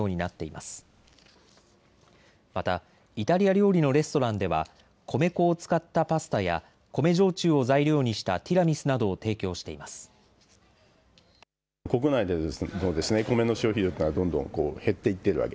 またイタリア料理のレストランでは米粉を使ったパスタや米焼酎を材料にしたティラミスなどを提供しています。